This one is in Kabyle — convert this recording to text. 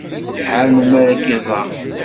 Iḥar melmi ara k-iẓer.